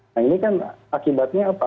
nah ini kan akibatnya apa